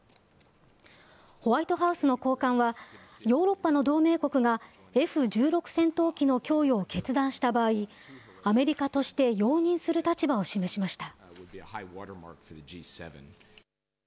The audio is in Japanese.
ホワイトハウスの高官はヨーロッパの同盟国がＦ１６戦闘機の供与を決断した場合、アメリカとして容認する立場を示しました。